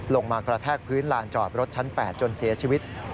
มากระแทกพื้นลานจอดรถชั้น๘จนเสียชีวิต